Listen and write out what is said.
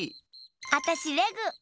あたしレグ！